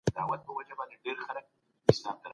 تشویش د وینې فشار لوړوي.